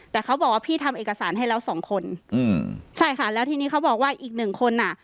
แต่เขาบอกว่าพี่ทำเอกสารให้แล้วสองคนอืมใช่ค่ะแล้วทีนี้เขาบอกว่าอีกหนึ่งคนอ่ะ